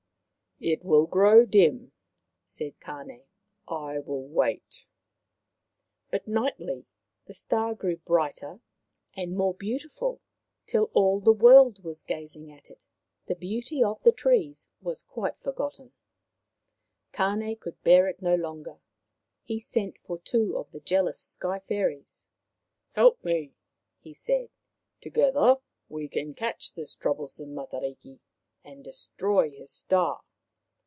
" It will grow dim," said Tan6. " I will wait." But nightly the star grew brighter and more 121 122 Maoriland Fairy Tales beautiful, till all the world was gazing at it. The beauty of the trees was quite forgotten. Tane could bear it no longer. He sent for two of the jealous Sky fairies. " Help me," he said. " Together we can catch this troublesome Matariki and destroy his star."